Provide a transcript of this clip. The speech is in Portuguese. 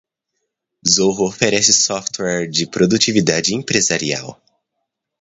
Zoho oferece software de produtividade empresarial.